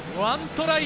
１トライ